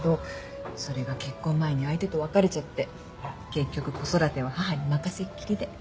結局子育ては母に任せっきりで。